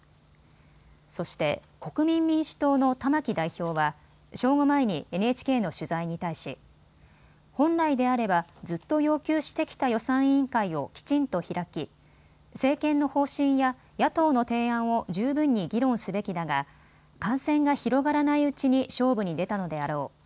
そして国民民主党の玉木代表は正午前にＮＨＫの取材に対し、本来であればずっと要求してきた予算委員会をきちんと開き政権の方針や野党の提案を十分に議論すべきだが感染が広がらないうちに勝負に出たのであろう。